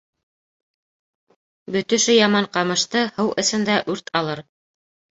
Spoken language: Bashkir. Бөтөшө яман ҡамышты һыу эсендә үрт алыр